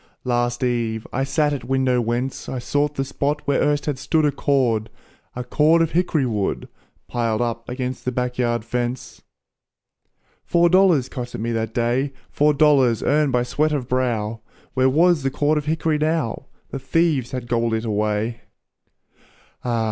Last eve, I sat at window whence I sought the spot where erst had stood A cord a cord of hick'ry wood, Piled up against the back yard fence. Four dollars cost me it that day, Four dollars earned by sweat of brow, Where was the cord of hick'ry now? The thieves had gobbled it away! Ah!